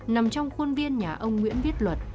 nằm trong khuôn viên nhà ông nguyễn viết luật